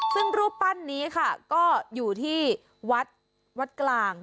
ซึ่งรูปปั้นนี้ค่ะก็อยู่ที่วัดวัดกลาง